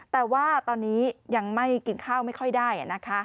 แต่ว่าตอนนี้ยังไม่กินข้าวไม่ค่อยได้